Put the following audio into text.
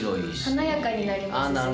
華やかになりますしね。